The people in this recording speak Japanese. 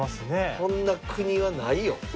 こんな国はないよ。